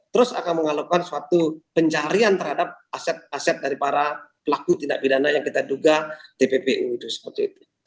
terus akan melakukan suatu pencarian terhadap aset aset dari para pelaku tindak pidana yang kita duga tppu itu seperti itu